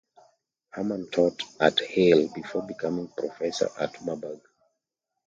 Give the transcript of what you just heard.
Hermann taught at Halle before becoming professor at Marburg.